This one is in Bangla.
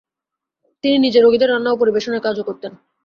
তিনি নিজে রোগীদের রান্না ও পরিবেশনের কাজও করতেন।